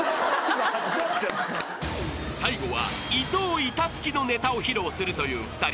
［最後は伊藤板付きのネタを披露するという２人］